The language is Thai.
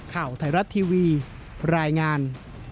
ข่าวไทยรัฐทีวีรายงาน